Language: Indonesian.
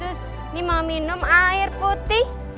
terus ini mau minum air putih